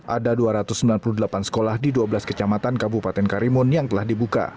ada dua ratus sembilan puluh delapan sekolah di dua belas kecamatan kabupaten karimun yang telah dibuka